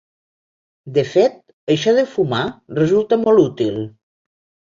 De fet, això de fumar resulta molt útil.